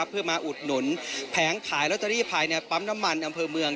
เพื่อมาอุดหนุนแผงขายลอตเตอรี่ภายในปั๊มน้ำมันอำเภอเมือง